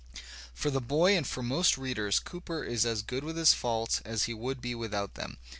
For the boy and for most readers Cooper is as good with his faults as he would be without them.